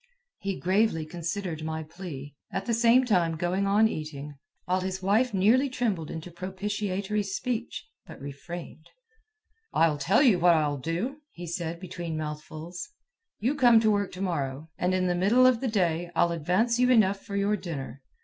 He gravely considered my plea, at the same time going on eating, while his wife nearly trembled into propitiatory speech, but refrained. "I'll tell you what I'll do," he said between mouthfuls. "You come to work to morrow, and in the middle of the day I'll advance you enough for your dinner.